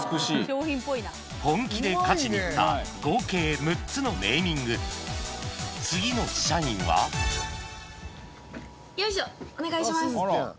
本気で勝ちに行った合計６つのネーミング次の社員はよいしょお願いします。